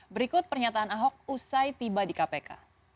berikut pernyataan ahok usai tiba di kpk